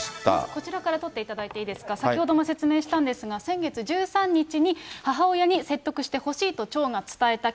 こちらから撮っていただいていいですか、先ほども説明したんですが、先月１３日に、母親に説得してほしいと町が伝えた。